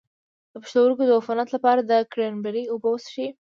د پښتورګو د عفونت لپاره د کرینبیري اوبه وڅښئ